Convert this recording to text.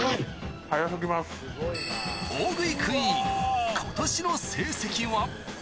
大食いクイーン、ことしの成績は。